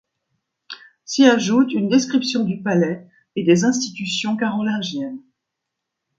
S'y ajoute une description du palais et des institutions carolingiennes.